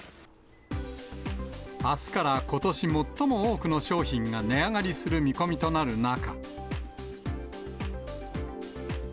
あすからことし最も多くの商品が値上がりする見込みとなる中。